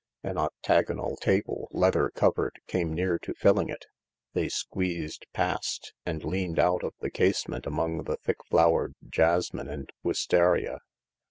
An octagonal table, leather covered, came near to filling it. They squeezed past, and leaned out of the casement among the thick flowered jasmine and wistaria.